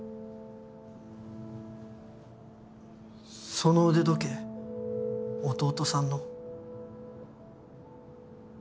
その腕時計弟さんの？